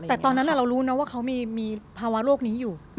แต่ตอนนั้นเรารู้นะว่าเขามีภาวะโรคนี้อยู่